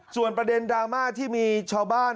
ส่วนประเด็นดราม่าที่มีชาวบ้าน